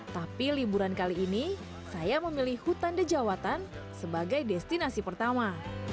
tapi liburan kali ini saya memilih hutan dejawatan sebagai destinasi pertama